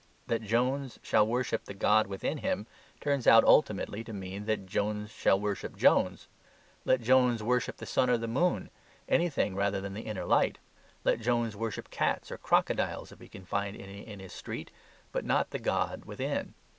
That Jones shall worship the god within him turns out ultimately to mean that Jones shall worship Jones. Let Jones worship the sun or moon, anything rather than the Inner Light; let Jones worship cats or crocodiles, if he can find any in his street, but not the god within.